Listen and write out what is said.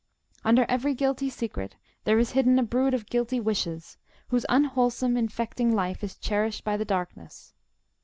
Under every guilty secret there is hidden a brood of guilty wishes, whose unwholesome infecting life is cherished by the darkness.